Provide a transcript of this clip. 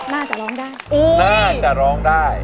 น่าจะร้องได้น่าจะร้องได้